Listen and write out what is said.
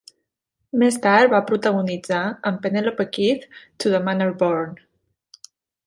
Més tard va protagonitzar, amb Penelope Keith, "To the Manor Born".